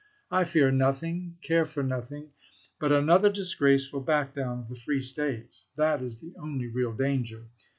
.. I fear nothing, care for nothing, but another disgraceful back down of the free States. That is the only real danger.